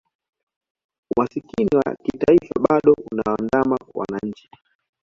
umasikini wa kitaifa bado unawaandama wananchi